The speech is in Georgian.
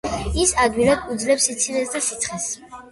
ის ადვილად უძლებს სიცივეს და სიცხეს.